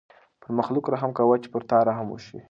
پر مخلوق رحم کوه چې پر تا رحم وشي.